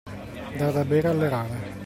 Dar da bere alle rane.